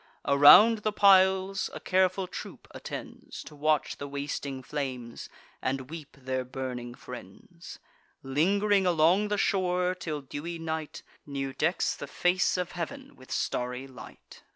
Around the piles a careful troop attends, To watch the wasting flames, and weep their burning friends; Ling'ring along the shore, till dewy night New decks the face of heav'n with starry light.